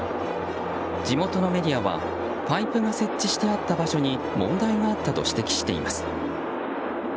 地元のメディアはパイプが設置してあった場所に問題があったと指摘しています。